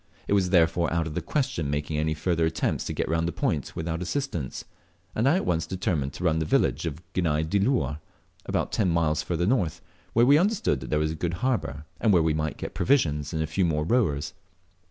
It was therefore out of the question making any further attempts to get round the point without assistance, and I at once determined to run to the village of Gani diluar, about ten miles further north, where we understood there was a good harbour, and where we might get provisions and a few more rowers.